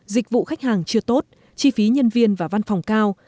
dịch vụ khách hàng chưa tốt chi phí nhân viên và văn phòng cao